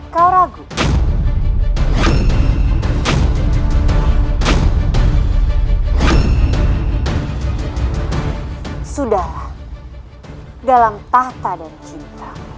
kau harus anak jenis itu